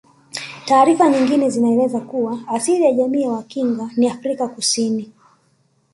Taarifa nyingine zinaeleza kuwa asili ya jamii ya Wakinga ni Afrika Kusini